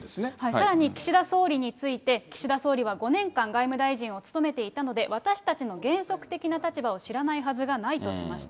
さらに岸田総理について、岸田総理は５年間、外務大臣を務めていたので、私たちの原則的な立場を知らないはずがないとしました。